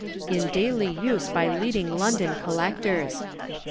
In daily use by leading London Collectors.